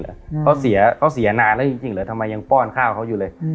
เขาเสียเขาเสียนานแล้วจริงเหรอทำไมยังป้อนข้าวเขาอยู่เลย